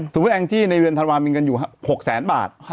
สมมุติแองก์จี่ในเดือนธันวามีเงินอยู่๖๐๐บาท